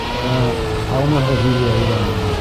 — Ә, һаумыһығыҙ, Юлия Ивановна!